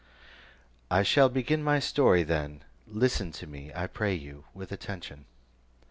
I shall begin my story then; listen to me, I pray you, with attention.